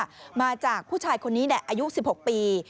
ซื้อยาบ้ามาจากผู้ชายคนนี้ยาย๑๖ปี